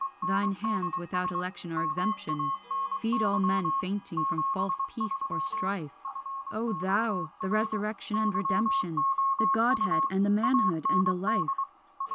Thine hands, without election or exemption, Feed all men fainting from false peace or strife, O thou, the resurrection and redemption, The godhead and the manhood and the life.